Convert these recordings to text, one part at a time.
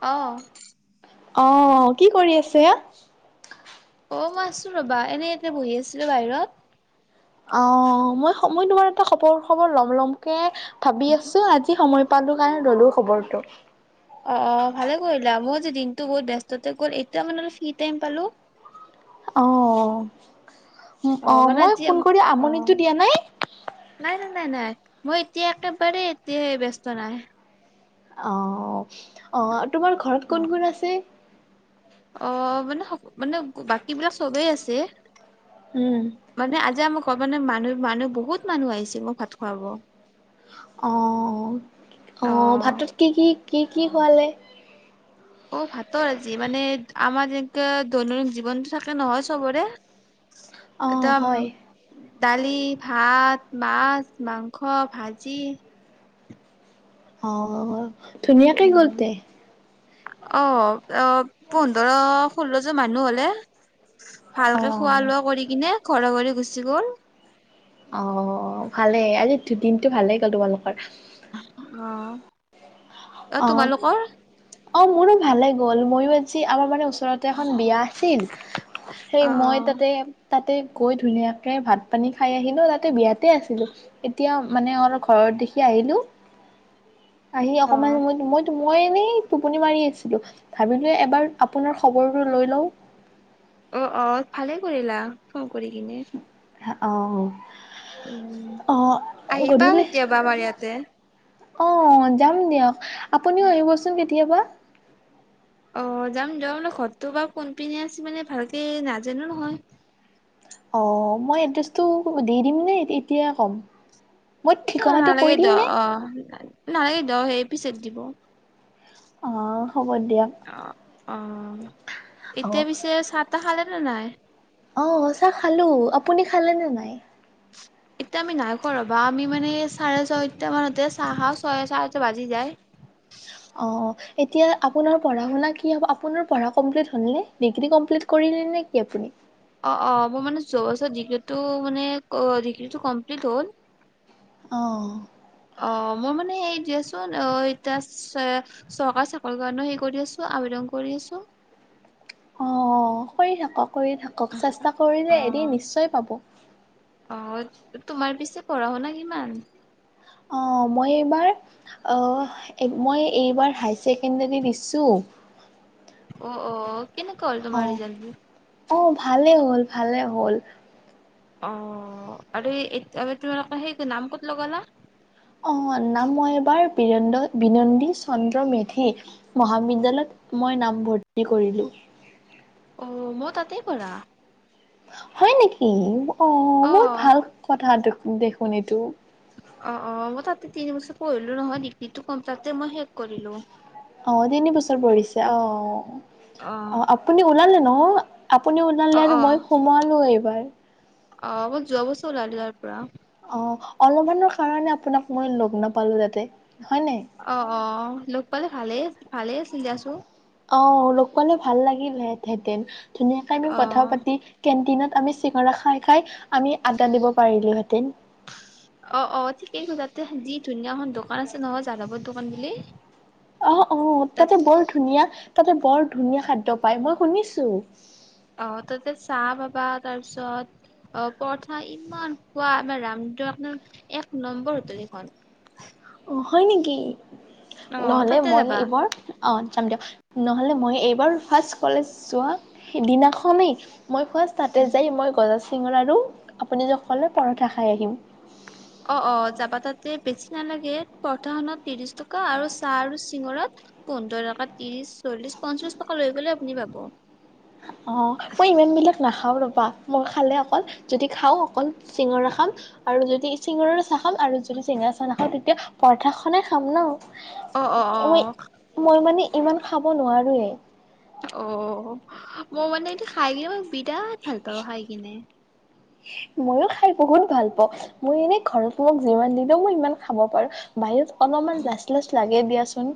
অ অহ কি কৰি আছে। অ মই আছো ৰবা এনে এতে বহি আছিলো বাহিৰত। অ মই মই তোমাৰ এটা খবৰ খবৰ লম লমকে ভাবি আছো আজি সময় পালো কাৰণে ললো খবৰটো। অ অ ভালে কৰিলা মই যে দিনটো বহুত ব্যস্ত গ'ল এতিয়া মানে অ ফ্ৰী টাইম পালো অহ। অ মানে মই আজি ফোন কৰি অ আমনিটো দিয়া নাই নাই নাই নাই মই এতিয়া একেবাৰে এতিয়া ব্যস্ত নাই। অহ। অ তোমাৰ ঘৰত কোন কোন আছে। অ মানে স, মানে বাকী বিলাক চবেই আছে। উম মানে আজি আমাক ক'বানে মানুহ। মানুহ বহুত মানুহ আহিছে মোক ভাত খোৱাব। অ অ ভাতত কি কি? কি কি খোৱাালে? অ ভাতৰ আজি মানে, আমাৰ যেনেকৈ দৈনন্দিন জীৱনটো থাকে নহয় চবৰে। অ এটা হয় উ ডালি ভাত মাছ। মাংস, ভাজি। অ--হ'ব। উ অ অ পোন্ধৰ ষোল্ল জ মানুহ হলে অ ভালকে খোৱা লোৱা কৰি কিনে ঘৰে ঘৰে। গুচি গ'ল। অ ভালেই আজি দিনতটো ভালেই গ'ল তোমালোকৰ। অহ। অ অ মোৰো ভালে গ'ল। মইয়ো আজি সি আমাৰ মানে ওচৰৰ ওচৰতে এখন বিয়া আছিল অ', সেই মই তাতে তাতে গৈ ধুনীয়াকে ভাত, পানী খাই আহিলোঁ, তাতে বিয়াতে আছিলোঁ। এতিয়া মানে অলপ ঘৰত দেখি আহিলোঁ। আহি অ', অ', [unintelligible] মইটো মইটো মই এনেই টোপনি মাৰি আছিলোঁ। ভাবিলোঁ এবাৰ আপোনাৰ খবৰটো লৈ লওঁ। অ', ভালে কৰিলা অ কৰি কিনে অ উম অ আহিবা গধূলি কেতিয়াবা আমাৰ ইয়াতে অ যাম দিয়ক আপুনিও আহিবচোন কেতিয়াবা। অ যাম, যোৱা মানে ঘৰতটো বাৰু কোনপিনে আছে মানে ভালকে নাজানোঁ নহয়। অ মই এড্ৰেছটো দি দিম নে এতিয়া ক'ম? মই ইটো ঠিকনাটো কৈ নালাগে দ দিম নে অ নালাগে দ সেই পিছেত দিব অ হ'ব দিয়ক অ অ অ এতিয়া পিছে চাহ-তাহ খালে? নাই অ চাহ খালো আপুনি খালে নে নাই? এতিয়া আমি নাই খোৱা ৰ'বা আমি মানে চাৰে ছয়টা মানতে চাহ খাওঁ চাহ বাজি যায়। অ', এতিয়া আপোনাৰ পঢ়া শুনা কি হব, আপোনাৰ পঢ়া কমপ্লিত হল নে, ডিগ্ৰী কমপ্লিত কৰিলে নে আপুনি? অ অ মৰ মানে জোৱা বছৰ ডিগ্রীটৌ মানে কমপিলিট হল। অ অ মই মানে হেই দিয়াচোন, অ এতিয়া চে চৰকাৰী চাকৰি কাৰণেও হেৰি কৰি আছোঁ, আবেদন কৰি আছোঁ। অ কৰি থাকক কৰি থাকক চেষ্টা কৰিলে এদিন অ'। নিশ্চয় পাব অ তোমাৰ পিছে পঢ়া শুনা কিমান? [inaudible] অ মই এইবাৰ অ মই এইবাৰ হাই ছেকেণ্ডৰী দিছোঁ। অ অ কেনেকুৱা হল তুমাৰ অ', ৰিজালটো অ ভালেই হ'ল ভালে হ'ল। অ আৰু তোমালোকৰ সেই নাম ক'ত লগালা? অ--মোৰ নাম মই এইবাৰ বীৰেন্দ্ৰ বিনন্দী চন্দ্ৰ মেধি মহাবিদ্যালয়ত মই নামভৰ্তি কৰিলোঁ। অ মই তাতেই কৰা। হয় নেকি? অ মোৰ অ', ভাল কথাটো দেখোন এইতু অ অ মই তাতে তিন বছৰ পঢ়িলো নহয় ডিগ্ৰীটো তাতে মই শেষ কৰিলো। অ তিনি বছৰ পৰিছে অ অ আপুনি ওলালে ন? অহ আপুনি অ ওলালে অ আৰু মই সোমোৱালো এইবাৰ অ মই যোৱা বছৰ ওলালো তাৰ পৰা অ অলপমানৰ কাৰণে আপোনাক মই লগ নাপালো তাঁতে অহঁ অহঁ লগ পালে ভালেই ভালে আছিল দিয়াচোন অ লগ পালে ভাল লাগিল হেঁতেন ধুনীয়াকে আমি অ কথাঁও পাতি কেণ্টিনত আমি চিঙৰা খাই খাই আমি আড্ডা দিব পাৰিলোহেঁতেন অহঁ অহঁ ঠিকেই কৈচাঁ তে যি ধুনীয়া এখন দোকান আছে নহয়, যাদৱৰ দোকান বুলি অঁ অঁ তাত তাতে বৰ ধুনীয়া তাতে বৰ ধুনীয়া খাদ্য পায় মই শুনিছো। অ তাতে চাহ পাবা তাৰপিছত অ পৰঠা ইমান খোৱা আমাৰ ৰামটো আপোনাৰ এক নম্বৰ হোটেল এখন অ হয় নেকি অ নহ'লে তাতে মই যাবা এইবোৰ অ দিয়ক নহ'লে মই এইবাৰ ফাৰ্ষ্ট কলেজ যোৱা সিদিনাখনেই মই ফাৰ্ষ্ট তাতে যাই মই গৈ আছো চিঙৰা আৰু আপুনি যে খালে পৰঠা খাই আহিম অ অ যাবা তাতে, বেছি নালাগে পৰথাখনত ত্ৰিশ তোকা আৰু চাহ আৰু চিঙৰাত পোন্ধৰ টকা ত্ৰিশ চল্লিশ পঞ্চাঁশ টকা লৈ গলেই আপুনি পাব অ মই ইমান বিলাক নাখাওঁ খাওঁ ৰ'বা মই খালে অকল যদি খাওঁ অকল চিঙৰা খাম আৰু যদি চিঙৰাৰ চাহ খাম আৰু যদি চিঙৰা চাহ নাখাওঁ তেতিয়া পৰঠাখনে খাম নহ অহঁ অহঁ মানে অহঁ ইমান খাব নোৱাৰোৱেই অ মই মানে এটো খাই কিনে বিৰাট ভাল পাওঁ খাই কিনে মইও খাই বহুত ভাল পাওঁ মই মানে ঘৰত তোমাক যিমান দিলো মই সিমান খাব পাৰো বাহিৰত অলপমান লাজ লাজ লাগে দে দিয়াচোন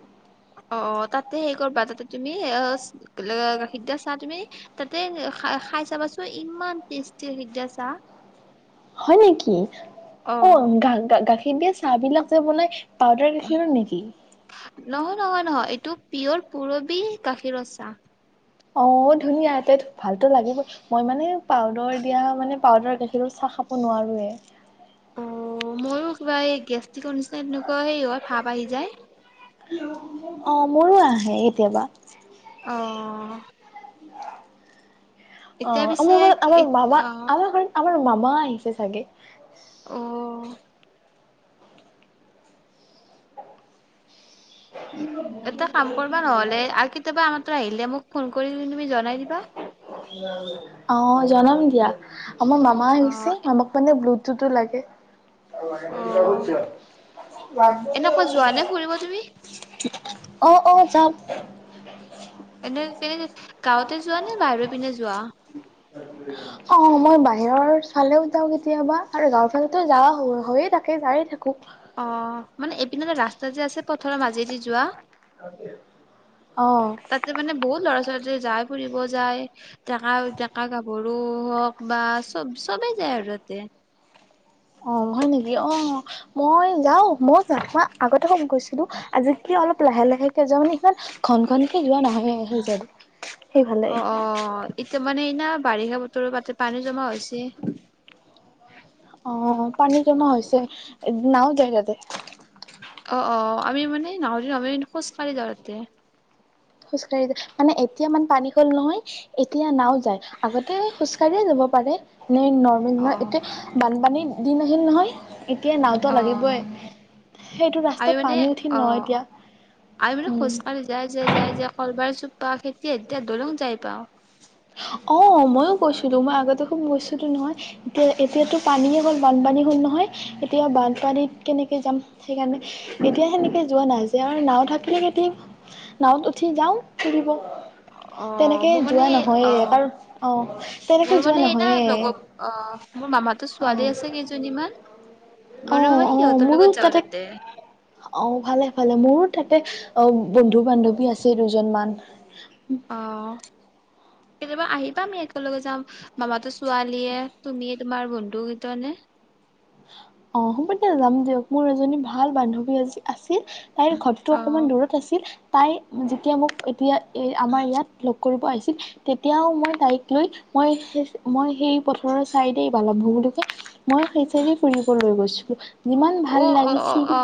অ তাতে হেই কৰা তাতে তুমি গাখীৰ দিয়া চাহ তুমি তাতে খাই চাবা চোন ইমান টেষ্টি গাখীৰ দিয়া চাহ হয় নেকি অ গা গা গাখীৰ কিন্তু চাহ বিলাক যে বনাই পাউদাৰ গাখীৰৰ নেকি? নহয় নহয় নহয় এইটো। পিয়ৰ পুৰবি গাখীৰৰ চাহ অ ধুনীয়াতে ভালতো লাগিবই মই মানে পাউদাৰ দিয়া মানে পাউদাৰ গাখীৰো চাহ খাব নোৱাৰোয়ে অ মইও কিবা এই গেষ্টিকৰ নিচিনা তেনেকুৱা হেই অলপ ভাৱ আহি যায় অ মোৰো আহে কেতিয়াবা অ অ এতিয়া পিছে আমাৰ ঘৰত আমাৰ মামা অ আমাৰ ঘৰত আমাৰ মামা মা আহিছে চাগে অ এটা কাম কৰবা নহ'লে আৰু কেতিয়াবা আমাৰ তাতে আহিলে মোক ফোন কৰিলেন অঁ জনাম দিয়া। আমাৰ মামা অ আহিছে মামাক মানে ব্লু সেইটো তো লাগে অ এনেকুৱা যোৱা নে ফুৰিব তুমি অ উ [unintelligible] অ অ যাম এনে কেনে গাঁৱতে যোৱা নে বাহিৰ পিনে যোৱা অ মই বা বাহিৰৰ চালেও যাও কেতিয়াবা আৰু গাঁৱফালে ত যাওঁ হৈয়ে থাকে যায়ে থাকো। অ মানে এইপিনে এ ৰাস্তা যে আছে পথাৰৰ মাজেদি যোৱা অ তাতে মানে বহুত ল'ৰা ছোৱালী যায় ফুৰিব যায়, ডেকা ডেকা গাভৰু হওক বা চব চবে যায় আৰু তাতে অ হয় নেকি অ মই যাও মই যাম আগতে গৈছিলো আজি কি অলপ লাহে লাহেকে যাওঁ মানে ইমান ঘন ঘনকে যোৱা নহয় সেই চাইড সেইফালে অ অ এতিয়া মানে এনা বাৰিষা বতৰ তোৰ তাতে পানী জমা হৈছে অঁঃ পানী জমা হৈছে নাও যায় তাতে অ অ আমি মানে নাওৰে নেমেলি খোজকাঢ়ি যাওঁ তাতে খোজ কাঢ়ি যায় মানে এতিয়া ইমান পানী হল নহয় এতিয়া নাও যায় আগতে খোজ কাঢ়িয়ে যাব পাৰে নই, নৰ্মেল অ হয় এতিয়া বানপানী দিন আহিল নহয় এতিয়া নাওতো লাগিবই সেইটো আমি ৰাস্তাত মানে পানী উঠিল অ নহয় এতিয়া উম যে কলবাৰ চোপা খেতি এ এতিয়া ধৰক যাই পাওঁ। দুমাহ আগতে খুব মৰিছোঁ টো নহয়। এ এতিয়াতো পানীয়ে হ'ল। বানপানী হল নহয়। এতিয়া বানপানীত কেনেকে যাম সেইকাৰণে এতিয়াহে নিকি যোৱা নাই যে আমাৰ নাও থাকিলে নাওত উঠি যাওঁ। অ তেনেকে মোৰ যোৱা মানে নহয়ে অ, কাৰণ অ তেনেকে মোৰ যোৱা মানে না নহয়ে লগৰ অ, মোৰ মামাতো অ ছোৱালী আছে কেইজনীমান। অ মানে মই অ সিহঁতৰ মোৰো লগত যাওঁ তাতে। অ ভালে ভালে মোৰো তাতে বন্ধু বান্ধৱী আছে দুজনমান। আহ' কেতিয়াবা আহিবা আমি একেলগে যাম মামাতো ছোৱালীয়ে তুমি, তোমাৰ বন্ধুকেইটা নে? অ হ'ব দিয়া যাম দিয়ক, মোৰ এজনী ভাল বান্ধৱী আজি আছে। তাইৰ ঘৰটো অ অকমান দূৰত আছিল, তাই যেতিয়া, মোক এতিয়া- এই আমাৰ ইয়াত- কৰিব আহিছিল তেতিয়াও মই তাইক লৈ মই মই সেই পথাৰৰ চাইডে বালক ভৱনতো মই সেই চাইড ফুৰিবলৈ গৈছো। যিমান অ ভাল অ অ লাগিছিল। অ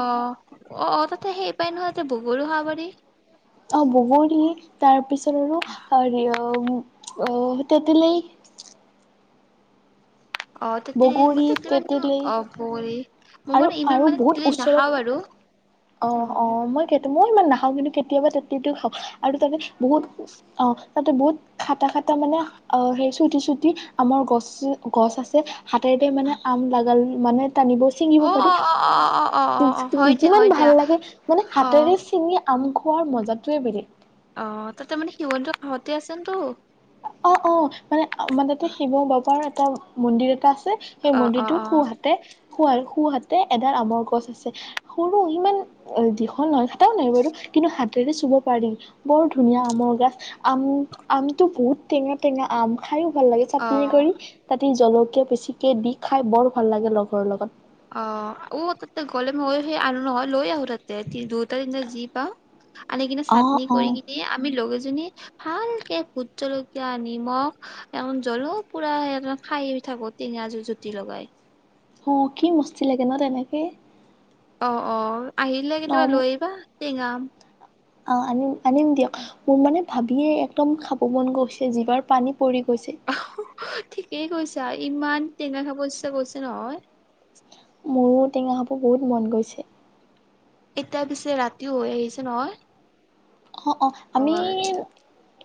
অ অ তাতে সেই পাই নহয় তাতে বগৰিও খাব পাৰি। অ', বগৰী তাৰপিছত [unintelligible] উ'আহ' তেতিলে- অ' তাতে বগৰী তাতে মানে তেতেলী অ ব মই আৰু মানে ইমান আৰু মানে বহুত তেতেলী ওচৰত নাখাওঁ আৰু অ' অ' মানে কেতিয়াবা তেতেলীটো খাওঁ। আৰু তাতে বহুত অ তাতে বহুত খাটা খাটা মানে আহ সেই চুটি চুটি আমাৰ গছ গছ আছে, হাতেৰেদি মানে আম [unintelligible] মানে- নিব অ চিঙিব অ পাৰি অ অ অ অ অ অ হয় দিয়া যিমান হয় ভাল দিয়া লাগে মানে অ হাতেৰে চিঙি আম খ খোৱাৰ মজাটোৱে বেলেগ। অ' তাতে মানে শিৱ কাষতে আছে তো। অ', অ', মানে আমাৰ তাতে শিৱ বাবাৰ এটা, মন্দিৰ এটা- সেই অ অ মন্দিৰটো অ সোঁহাতে, শুৱাৰ সোঁহাতে এডাল আমৰ গছ আছে সৰু ইমান দীঘল নহয় কথাও নাই বাৰু কিন্তু হাতেৰে চুব পাৰি বহুত ধুনীয়া আমৰ গছ আম আম টো বহুত টেঙা টেঙা আম খায়ো ভাল লাগে অ চাটনি কৰি তাতে জল কে বেছিকে দি খাই বৰ ভাল লাগে লগৰ লগত। অ উ ত গলে মই সেই আনো নহয় লৈ আহো তাতে দুটা তিনটা যি পাওঁ। আনি কিনে অ চাটনি অ কৰি কিনি আমি লগে কিজনী ভালকে ভোট জলকীয়া নিমখ জলা পুৰা একদম খাইয়ে থাকো টেঙাৰ জুতি লগাই অ কি মস্তি লাগে ন তেনেকে। অ অ আহিলে, ন কেতিয়াবা লৈ আহবা টেঙা আম অ' আমি আনিম দিয়ক মোৰ মানে ভাবিয়ে একদম খাব মন গৈছে জিভাৰ পানী পৰি গৈছে অ হহ ঠিকেই কৈ ছা ইমান টেঙা খাব ইচ্ছা গৈছে নহয়, মোৰো টেঙা খাব বহুত মন গৈছে। এতিয়া পিছে ৰাতিও হৈ আহিছে নহয় অ' অ' আমি হয়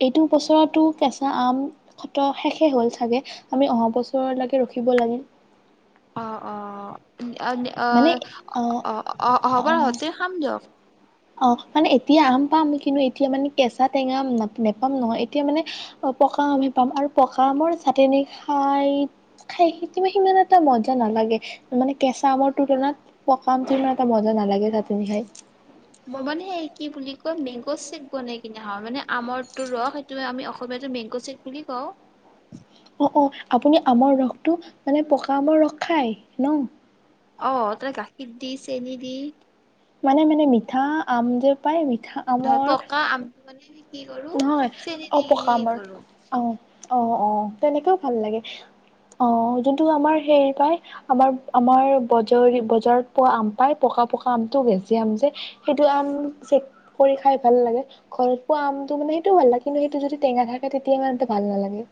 এইটো বছৰতো কেঁচা আমত খত শেষে হ'ল চাগে, আমি অহা বছৰলৈকে ৰখিব লাগিল। অ' অ' মানে অ অ' অ' হব হওতে খাম দিয়ক। অ', মানে এতিয়া আম পাম কিন্তু এতিয়া মানে কেঁচা টেঙা আম নেপাম নহয় এতিয়া মানে পকা আমহে পাম আৰু পকা আমৰ চাটেনি খাই খাই সিমান এটা মজা নালাগে মানে কেঁচা আমৰ তুলনাত পকা আমটো বৰ এটা মজা নালাগে চাটনি খাই। মম নে সে কি বুলি আকৌ মেংগ' চেক বনাই কিনে হয় মানে আমৰটো ৰস সেইটো আমি অসমীয়াটো মেংগ' চেক বুলি কওঁ অ, অ, আপুনি আমৰ ৰসটো মানে পকা আমৰ ৰস খাই ন অ তেনে গাখীৰ দি চেনি দি মানে মানে মিঠা আম যে পায় মি ধৰ, পকা আমটো মানে কি কৰো নহয় চেনি অ দি পকা নি আমৰ কৰো অ অ', অ'তেনেকেও ভাল লাগে অ যোনটো আমাৰ হেৰি পায় আমাৰ আমাৰ বজ বজাৰত পোৱা আম পায় পকা পকা আমটো ভেজি আম যে সেইটো আম চেক কৰি খাই ভাল লাগে ঘৰত পোৱা আম টো মানে সেইটো ভাল লাগে কিন্তু সেইটো যদি টেঙা থাকে তেতিয়া ইমান এটা ভাল নালাগে।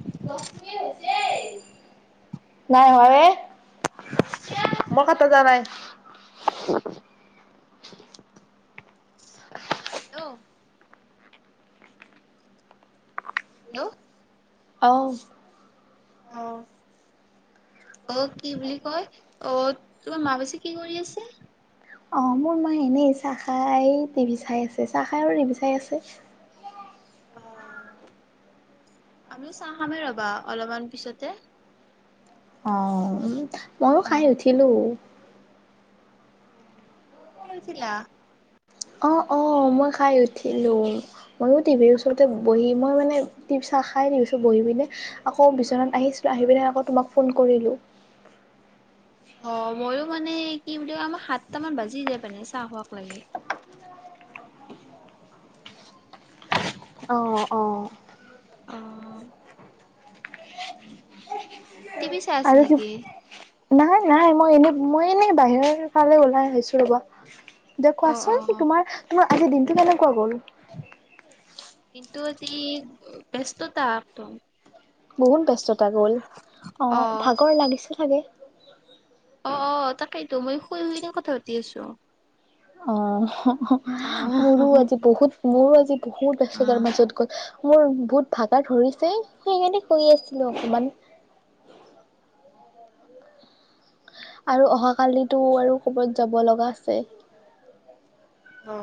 দচটকীয়া দিলেই নাই হৱে এ মই কতো যোৱা নাই। [unintelligible] হেল্ল হেল্ল' অফ অ', অ', কি বুলি কয় অঁ তোমাৰ মা বছে কি কৰি আছে অঁ মোৰ মায়ে এনেই চাহ খাই টভি চাই আছে, চাহ খাইো টিভি চাই আছে। অ' আমিও চাহ খামেই ৰবা অলপমান পিছতে, অ' মইো অ'। খাই উঠিলো। ক'ত আছিলা। অ অ মই খাই উঠিলো ময়ো টিভিৰ ওচৰতে বহি মই মানে টি চাহ খাই দিছো বহি পিনে আকৌ বিচনাত আহিছো আহি পিনে আকৌ তোমাক ফোন কৰিলো অ' ময়ো মানে কি বুলি কয়, আমাৰ সাতটামান বাজি যায় মানে চাহ খোৱাক লাগে। অ অ। অ [unintelligible] টি বি চাচ আৰু কি নেকি? নাই নাই মই এনেই মই এনেই বাহিৰৰ ফালে ওলাই আহিছো ৰব দে অ', কোৱাচোন, অ'। তোমাৰ তোমাৰ আজি দিনটো কেনেকুৱা গ'ল? কিন্তু আজি ব্যস্ততা একদম বহুত ব্যস্ততা গ'ল, অ' অ' ভাগৰ লাগিছে চাগে, অ অ' তাকেইেতো মই শুই শুই ন কথা পাতি আছো। অ' মোৰ আজি বহুত মোৰ আজি বহুত ব্যস্ততাৰ মাজত গ'ল মোৰ বহুত ভাগৰ ধৰিছে, সেইকাৰণে শুই আছিলোঁ অকণমান, আৰু অহাকালিতো আৰু ক'বাত যাব লগা আছে, অ'